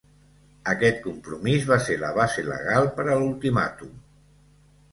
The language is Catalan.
Aquest compromís va ser la base legal per a l'Ultimàtum.